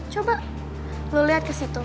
coba lo lihat ke situ